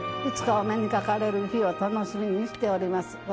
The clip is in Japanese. いつかお目にかかれる日を楽しみにしております。